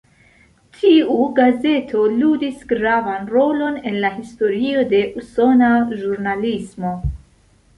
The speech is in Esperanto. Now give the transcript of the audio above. Tiu gazeto ludis gravan rolon en la historio de usona ĵurnalismo.